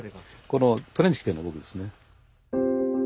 このトレンチ着てるの僕ですね。